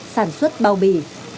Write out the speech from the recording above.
sản xuất bao bì